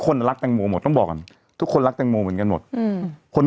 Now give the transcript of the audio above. คนรักแตงโมหมดต้องบอกก่อนทุกคนรักแตงโมเหมือนกันหมดอืมคน